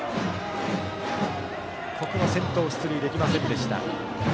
ここは先頭出塁できませんでした。